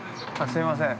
すいません。